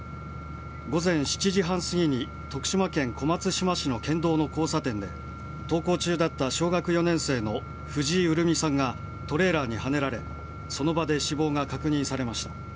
午前７時半すぎに徳島県小松島市の県道の交差点で登校中だった小学４年生の藤井潤美さんがトレーラーにはねられその場で死亡が確認されました。